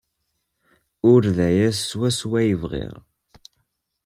Ur d aya swaswa ay bɣiɣ.